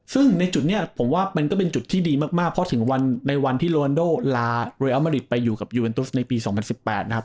ซึ่งในจุดเนี้ยผมว่ามันก็เป็นจุดที่ดีมากมากเพราะถึงวันในวันที่โลวันโดลาเรียลมะริตไปอยู่กับยูเวนทุสในปีสองพันสิบแปดนะครับ